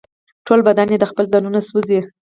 ټول بدن یې د خپل ځانه سوزي